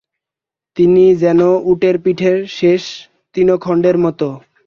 তিনি যেন উটের পিঠের শেষ তৃণখণ্ডের মত।